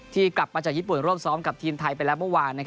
กลับมาจากญี่ปุ่นร่วมซ้อมกับทีมไทยไปแล้วเมื่อวาน